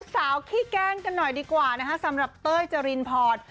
สาวขี้แกล้งกันหน่อยดีกว่านะคะสำหรับเต้ยจรินพร